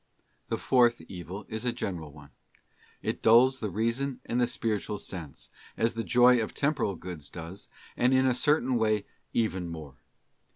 The fourth evil is a general one: it dulls the reason and the spiritual sense, as the joy of temporal goods does, and in a certain way even more.